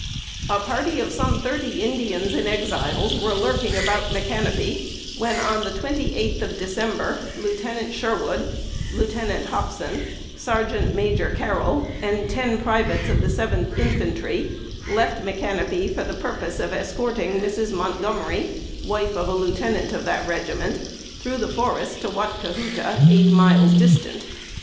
A party of some thirty Indians and Exiles were lurking about Micanopy, when, on the twenty eighth of December, Lieutenant Sherwood, Lieutenant Hopson, Sergeant Major Carrol, and ten privates of the 7th Infantry, left Micanopy for the purpose of escorting Mrs. Montgomery, wife of a Lieutenant of that regiment, through the forest to Watkahoota, eight miles distant.